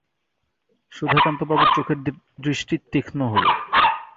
সুধাকান্তবাবুর চোখের দৃষ্টি তীক্ষ্ণ হল।